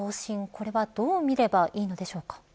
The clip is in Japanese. これはどう見ればいいのでしょうか。